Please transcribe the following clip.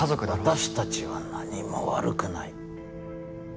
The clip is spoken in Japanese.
私たちは何も悪くない。